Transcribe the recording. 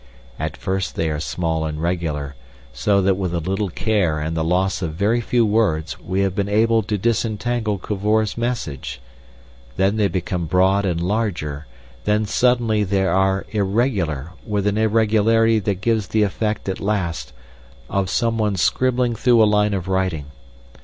At first they are small and regular, so that with a little care and the loss of very few words we have been able to disentangle Cavor's message; then they become broad and larger, then suddenly they are irregular, with an irregularity that gives the effect at last of some one scribbling through a line of writing.